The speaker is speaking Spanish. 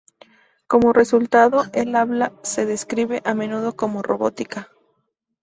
Como resultado, el habla se describe a menudo como "robótica".